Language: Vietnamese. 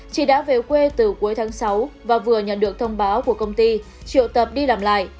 chị đã về quê từ cuối tháng sáu và vừa nhận được thông báo của công ty triệu tập đi làm lại